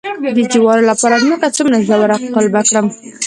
د جوارو لپاره ځمکه څومره ژوره قلبه کړم؟